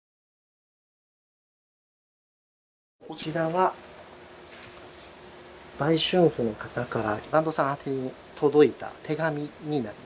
こちらは売春婦の方から團藤さん宛てに届いた手紙になりますね。